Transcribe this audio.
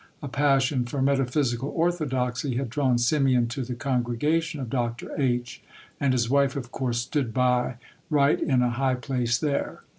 A passion for metaphysical Orthodoxy had drawn Simeon to the congregation of Dr. H., and his wife of course stood by right in a high place there.